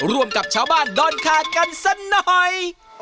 ร่วมกับชาวบ้านดอนขาดกันสักหน่อย